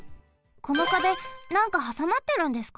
この壁なんかはさまってるんですか？